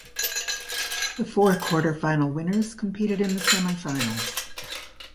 The four quarter–final winners competed in the semi–finals.